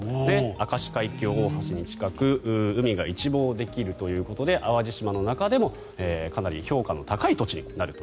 明石海峡大橋に近く海が一望できるということで淡路島の中でもかなり評価の高い土地になると。